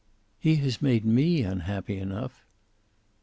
"He has made me unhappy enough."